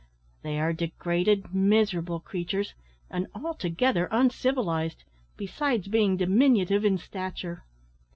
They are degraded, miserable creatures, and altogether uncivilised, besides being diminutive in stature.